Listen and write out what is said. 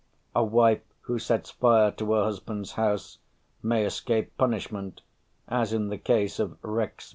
A wife who sets fire to her husband's house may escape punishment, as in the case of Rex.